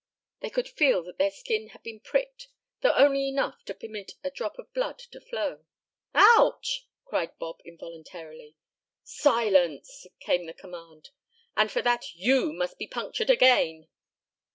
They could feel that their skin had been pricked, though only enough to permit a drop of blood to flow. "Ouch!" cried Bob involuntarily. "Silence!" came the command. "And for that you must be punctured again."